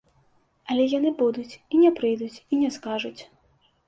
Але яны будуць і не прыйдуць і не скажуць.